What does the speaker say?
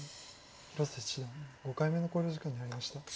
広瀬七段５回目の考慮時間に入りました。